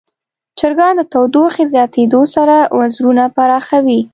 چرګان د تودوخې زیاتیدو سره وزرونه پراخوي.